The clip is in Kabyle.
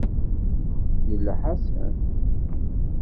Yella Ḥasan?